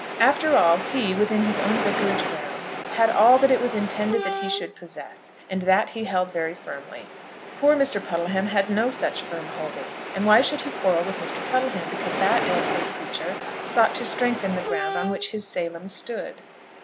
After all he, within his own Vicarage grounds, had all that it was intended that he should possess; and that he held very firmly. Poor Mr. Puddleham had no such firm holding; and why should he quarrel with Mr. Puddleham because that ill paid preacher sought to strengthen the ground on which his Salem stood?